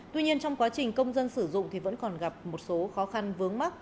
tuy nhiên trong quá trình công dân sử dụng thì vẫn còn gặp một số khó khăn vướng mắt